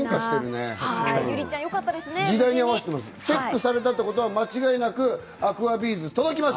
チェックされたってことは、間違いなくアクアビーズが届きます！